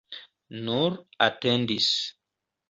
Nur atendis.